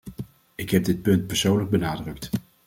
Ik heb dit punt persoonlijk benadrukt.